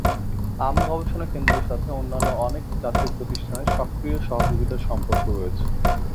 আম গবেষণা কেন্দ্রের সাথে অন্যান্য অনেক জাতীয় প্রতিষ্ঠানের সক্রিয় সহযোগিতার সম্পর্ক রয়েছে।